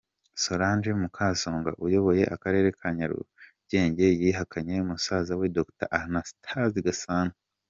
-Solange Mukasonga, uyoboye akarere ka Nyarugenge yihakanye musaza we Dr Anastase Gasana!